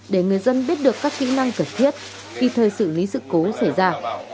để người dân biết được các kỹ năng cần thiết kịp thời xử lý sự cố xảy ra